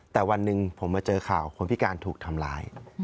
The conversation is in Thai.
แต่วันหนึ่งผมมาเจอข่าวคนพิการถูกทำร้าย